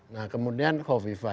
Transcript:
nah kemudian hovifah